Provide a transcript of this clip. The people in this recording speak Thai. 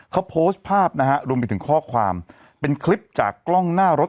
เขาโพสต์ภาพนะฮะรวมไปถึงข้อความเป็นคลิปจากกล้องหน้ารถ